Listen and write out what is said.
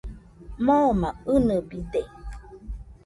Moma inɨbide.